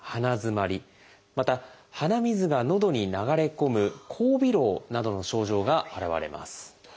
また鼻水がのどに流れ込む「後鼻漏」などの症状が現れます。